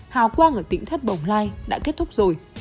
hào quang ở tỉnh thất bồng lai đã kết thúc rồi